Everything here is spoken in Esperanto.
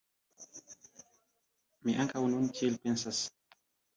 Mi ankaŭ nun tiel pensas.